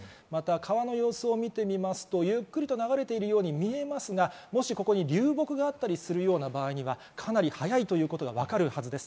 川の様子を見るとゆっくりと流れているように見えますが流木があったりするような場合にはかなり速いということが分かるはずです。